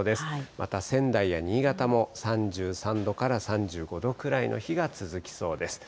また、仙台や新潟も３３度から３５度くらいの日が続きそうです。